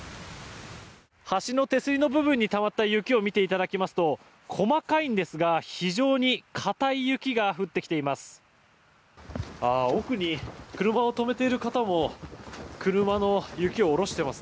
橋の手すりの部分にたまった雪を見ていただきますと細かいですが非常に硬い雪が降ってきています。